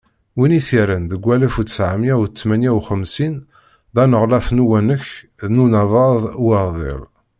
Win i t-yerran deg walef u ttɛemya u tmenya u xemsin d aneɣlaf n uwanek n Unabaḍ Uɛḍil.